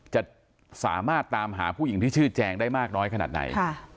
จะสามารถตามหาผู้หญิงที่ชื่อแจงได้มากน้อยขนาดไหน